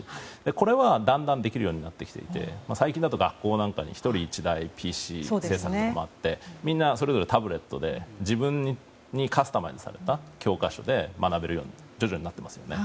これは、だんだんできるようになってきていて最近だと学校なんかに１人１台、ＰＣなどもあってみんなそれぞれタブレットで自分用にカスタマイズされた教科書で学べるように徐々になっていますよね。